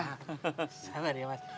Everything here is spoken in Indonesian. sabar ya mbak